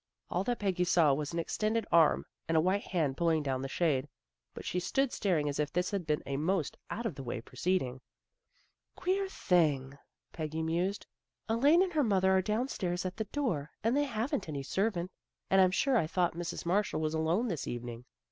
All that Peggy saw was an extended arm and a white hand pulling down the shade, but she stood staring as if this had been a most out of the way proceeding. A BUSY AFTERNOON 67 " Queer thing," mused Peggy. " Elaine and her mother are downstairs at the door, and they haven't any servant, and I'm sure I thought Mrs. Marshall was alone this eve ning."